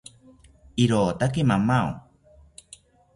Irotaki mamao